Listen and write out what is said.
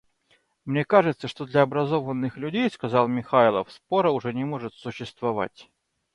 Мне кажется, что для образованных людей, — сказал Михайлов, — спора уже не может существовать.